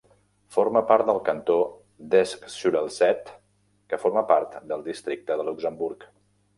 Forma part del Cantó d'Esch-sur-Alzette, que forma part del Districte de Luxemburg.